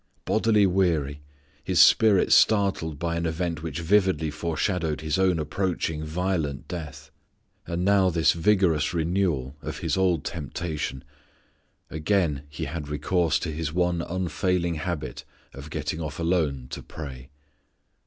Bodily weary, His spirit startled by an event which vividly foreshadowed His own approaching violent death, and now this vigorous renewal of His old temptation, again He had recourse to His one unfailing habit of getting off alone _to pray.